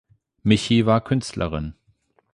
Michi war Künstlerin.